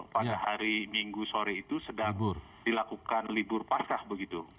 pada hari minggu sore itu sedang dilakukan libur pascah begitu